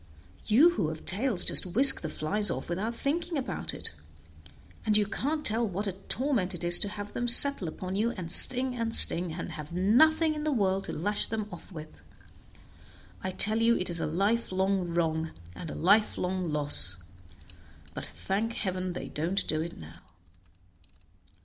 You who have tails just whisk the flies off without thinking about it, and you can't tell what a torment it is to have them settle upon you and sting and sting, and have nothing in the world to lash them off with. I tell you it is a lifelong wrong, and a lifelong loss; but thank heaven, they don't do it now."